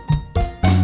delapan satu komandan